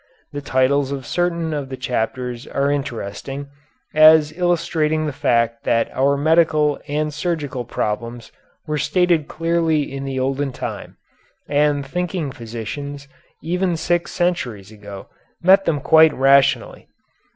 The titles of certain of the chapters are interesting, as illustrating the fact that our medical and surgical problems were stated clearly in the olden time, and thinking physicians, even six centuries ago, met them quite rationally.